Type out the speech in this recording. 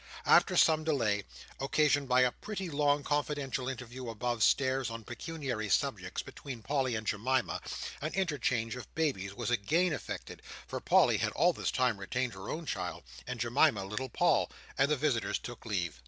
After some delay, occasioned by a pretty long confidential interview above stairs on pecuniary subjects, between Polly and Jemima, an interchange of babies was again effected—for Polly had all this time retained her own child, and Jemima little Paul—and the visitors took leave.